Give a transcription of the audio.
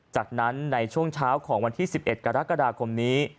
จากนั้นในช่วงเช้าของวันที่๑๑กรกฎาคมนี้